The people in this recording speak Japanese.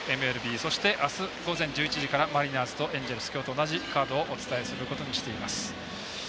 そして、あす午前１１時からマリナーズとエンジェルスきょうと同じカードをお伝えすることにしています。